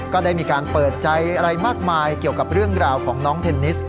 ก็ได้มีการเปิดใจอะไรมากมายเกี่ยวกับเรื่องราวของน้องเทนนิส